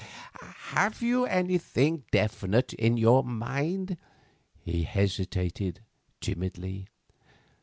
"Have you anything definite in your mind?" he hesitated, timidly.